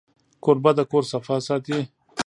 کوربه د کور صفا ساتي.